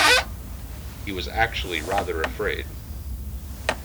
He was actually rather afraid